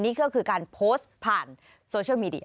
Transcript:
นี่ก็คือการโพสต์ผ่านโซเชียลมีเดีย